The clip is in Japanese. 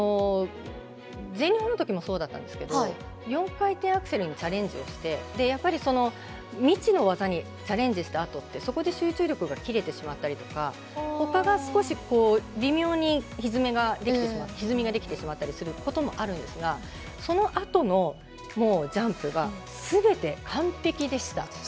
全日本のときもそうだったんですけど４回転アクセルにチャレンジをして未知の技にチャレンジしたあとってそこで集中力が切れてしまったりとかほかが少し微妙にひずみができてしまったりすることもあるんですがそのあとのジャンプがすべて完璧でした。